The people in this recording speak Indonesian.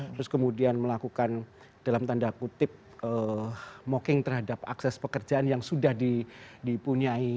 terus kemudian melakukan dalam tanda kutip mocking terhadap akses pekerjaan yang sudah dipunyai